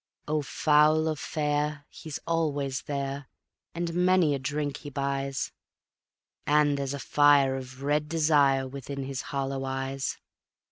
Oh, foul or fair he's always there, and many a drink he buys, And there's a fire of red desire within his hollow eyes.